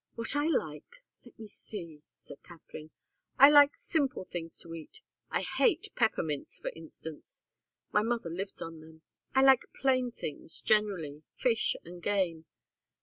"What I like? let me see," said Katharine. "I like simple things to eat. I hate peppermints, for instance. My mother lives on them. I like plain things, generally fish and game.